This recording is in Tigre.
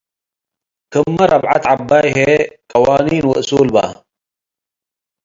ክመ ረብዐት ዐባይ ህዬ ቀዋኒን ወእሱል በ ።